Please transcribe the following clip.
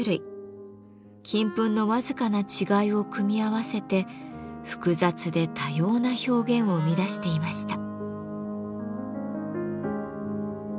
金粉の僅かな違いを組み合わせて複雑で多様な表現を生み出していました。